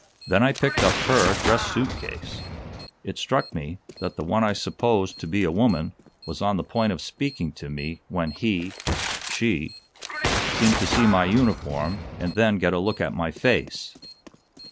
Then I picked up 'her' dress suit case. It struck me that the one I supposed to be a woman was on the point of speaking to me when he she seemed to see my uniform and then get a look at my face.